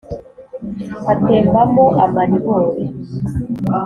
Atembamo amaribori,